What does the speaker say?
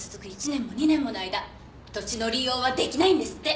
１年も２年もの間土地の利用は出来ないんですって。